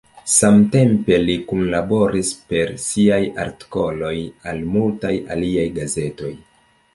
Samtempe li kunlaboris per siaj artikoloj al multaj aliaj gazetoj.